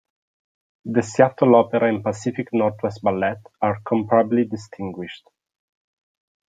The Seattle Opera and Pacific Northwest Ballet, are comparably distinguished.